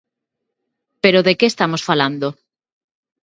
¿Pero de que estamos falando?